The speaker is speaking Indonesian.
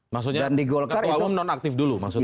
maksudnya ketua umum non aktif dulu maksudnya